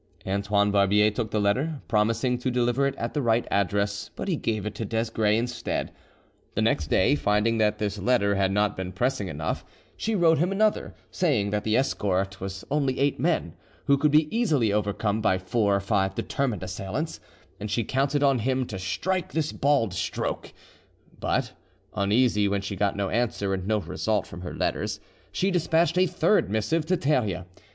Antoine Barbier took the letter, promising to deliver it at the right address; but he gave it to Desgrais instead. The next day, finding that this letter had not been pressing enough, she wrote him another, saying that the escort was only eight men, who could be easily overcome by four or five determined assailants, and she counted on him to strike this bald stroke. But, uneasy when she got no answer and no result from her letters, she despatched a third missive to Theria.